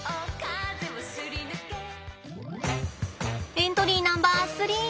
エントリーナンバー３。